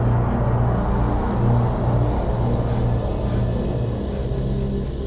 ada orang gak di dalam